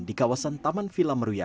di kawasan taman vila meruya